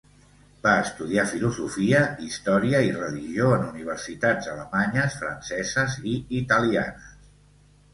Va estudiar filosofia, història i religió en universitats alemanyes, franceses i italianes.